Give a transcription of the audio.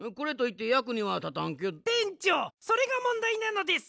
てんちょうそれがもんだいなのです！